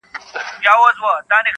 چي جوار غنم را نه وړئ له پټیو -